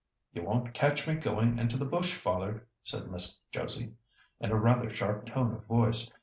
"You won't catch me going into the bush, father!" said Miss Josie, in a rather sharp tone of voice.